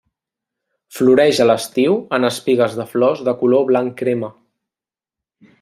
Floreix a l'estiu en espigues de flors de color blanc crema.